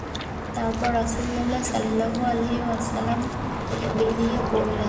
তারপর রাসূলুল্লাহ সাল্লাল্লাহু আলাইহি ওয়াসাল্লাম বেরিয়ে পড়লেন।